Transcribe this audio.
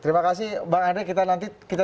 terima kasih bang andre kita nanti kita